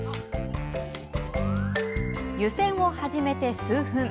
湯煎を始めて数分。